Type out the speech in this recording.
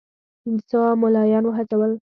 پنځه سوه مُلایان وهڅول.